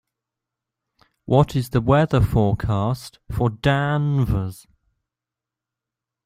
What is the weather forecast for Danvers